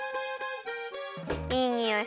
いいにおい！